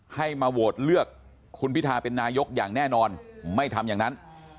ให้มาโหวตเลือกคุณพิทาเป็นนายกอย่างแน่นอนไม่ทำอย่างนั้น